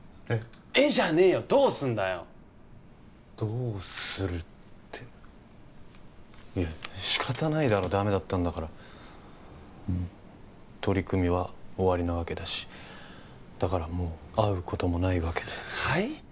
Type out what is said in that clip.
「えっ？」じゃねえよどうすんだよどうするっていや仕方ないだろダメだったんだからうん取り組みは終わりなわけだしだからもう会うこともないわけではい？